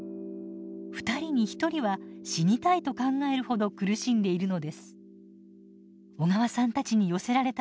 ２人に１人は「死にたい」と考えるほど苦しんでいるのです。